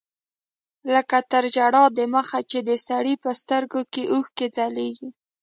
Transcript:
لکه تر ژړا د مخه چې د سړي په سترګو کښې اوښکې ځلېږي.